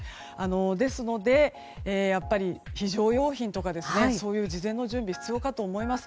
ですので非常用品とか事前の準備が必要かと思います。